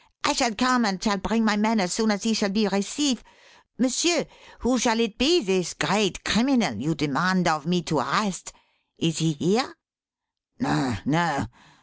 "I shall come and shall bring my men as soon as he shall be receive. M'sieur, who shall it be this great criminal you demand of me to arrest? Is he here?" "No, no.